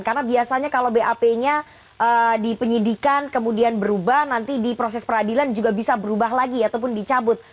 karena biasanya kalau bap nya dipenyidikan kemudian berubah nanti di proses peradilan juga bisa berubah lagi ataupun dicabut